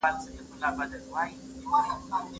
يو هېواد يوازې په پوهه باندې رغېدلی سي.